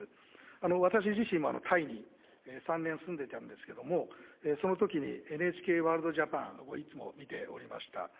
私自身もタイに３年住んでたんですけども、そのときにＮＨＫワールドＪＡＰＡＮをいつも見ておりました。